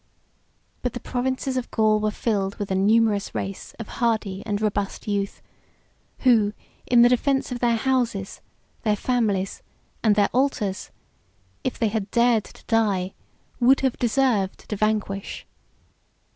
But the provinces of Gaul were filled with a numerous race of hardy and robust youth, who, in the defence of their houses, their families, and their altars, if they had dared to die, would have deserved to vanquish.